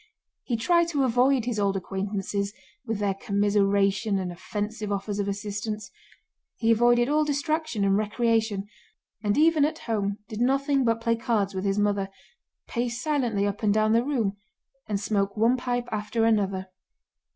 He tried to avoid his old acquaintances with their commiseration and offensive offers of assistance; he avoided all distraction and recreation, and even at home did nothing but play cards with his mother, pace silently up and down the room, and smoke one pipe after another.